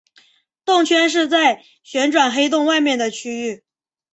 动圈是在旋转黑洞外面的区域。